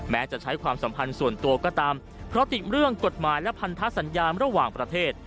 แม้จะใช้ความสัมพันธ์ส่วนตัวก็ตามเพราะติดเรื่องกฎหมายและพันธสัญญาณระหว่างประเทศ